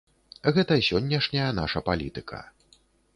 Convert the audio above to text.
Гэта сённяшняя наша палітыка.